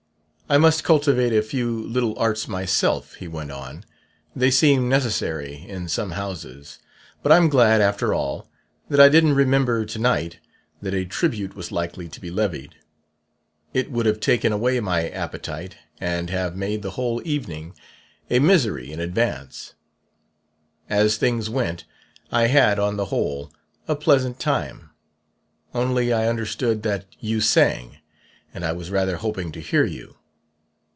'I must cultivate a few little arts myself,' he went on; 'they seem necessary in some houses. But I'm glad, after all, that I didn't remember to night that a tribute was likely to be levied; it would have taken away my appetite and have made the whole evening a misery in advance. As things went, I had, on the whole, a pleasant time. Only, I understood that you sang; and I was rather hoping to hear you.'